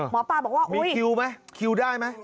หมอปลาบอกว่ามีคิวไหมคิวได้ไหม